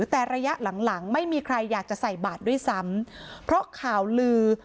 แต่ระยะหลังหลังไม่มีใครอยากจะใส่บาทด้วยซ้ำเพราะข่าวลือ